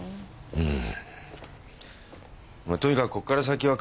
うん。